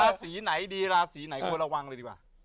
ราศีไหนดีราศีไหนควรระวังเลยดีกว่า